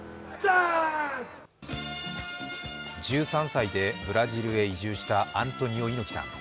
１３歳でブラジルへ移住したアントニオ猪木さん。